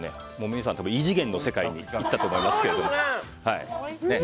皆さん、異次元の世界に行ったと思いますけども。